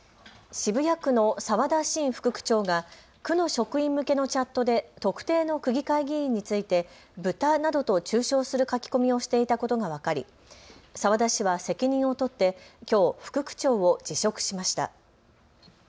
渋谷区の澤田伸副区長が区の職員向けのチャットで特定の区議会議員についてブタなどと中傷する書き込みをしていたことが分かり澤田氏は責任を取ってきょう副区長を辞職しました。